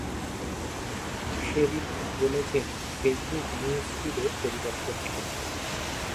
Sherrill বলেছেন, Facebook news ফিডে পরিবর্তন এনেছে।